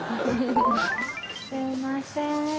すいません。